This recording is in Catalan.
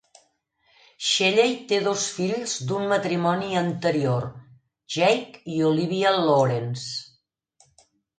Shelley té dos fills d'un matrimoni anterior, Jake i Olivia Lawrence.